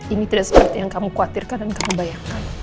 ini tidak seperti yang kamu khawatirkan dan kamu bayangkan